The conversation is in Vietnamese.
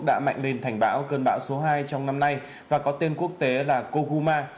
đã mạnh lên thành bão cơn bão số hai trong năm nay và có tên quốc tế là koguma